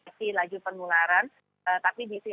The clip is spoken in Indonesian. tapi di sisi lagi penularan ya kita harus tetap menurunkan